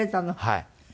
はい。